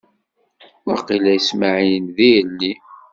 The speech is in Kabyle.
Waqila iswael-d ielli.